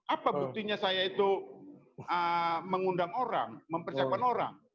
apa buktinya saya itu mengundang orang mempersiapkan orang